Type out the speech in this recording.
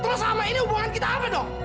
terus sama ini hubungan kita apa dong